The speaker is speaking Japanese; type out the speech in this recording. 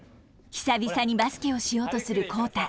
久々にバスケをしようとする浩太。